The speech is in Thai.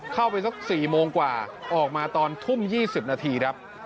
เข้าไปสัก๔โมงกว่าออกมาตอนทุ่ม๒๐นาทีครับ